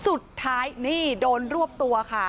สุดท้ายนี่โดนรวบตัวค่ะ